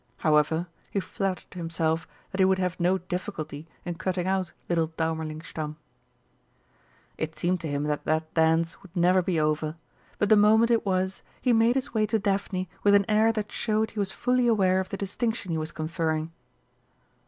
However, he flattered himself that he would have no difficulty in cutting out little Daumerlingstamm. It seemed to him that that dance would never be over, but the moment it was, he made his way to Daphne with an air that showed he was fully aware of the distinction he was conferring.